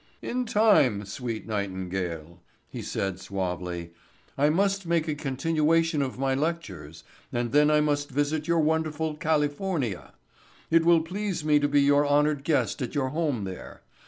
"In time, sweet nightingale," he said suavely. "I must make a continuation of my lectures and then I must visit your wonderful California. It will please me to be your honored guest at your home there.